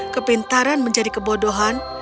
kepintaran menjadi kebodohan